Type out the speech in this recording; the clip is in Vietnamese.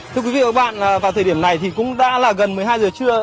thưa quý vị và các bạn vào thời điểm này thì cũng đã là gần một mươi hai giờ trưa